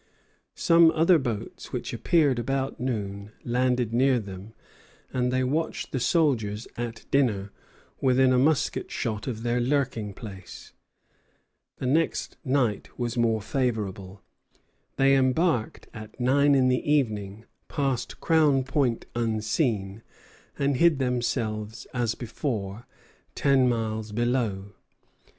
Some other boats which appeared about noon landed near them, and they watched the soldiers at dinner, within a musket shot of their lurking place. The next night was more favorable. They embarked at nine in the evening, passed Crown Point unseen, and hid themselves as before, ten miles below.